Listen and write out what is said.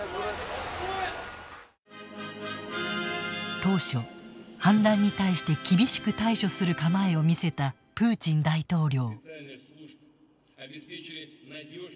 当初、反乱に対して厳しく対処する構えを見せたプーチン大統領。